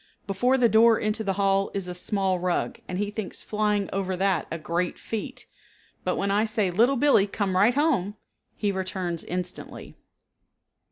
Before the door into the hall is a small rug and he thinks flying over that a great feat, but when I say, "Little Billee, come right home," he returns instantly.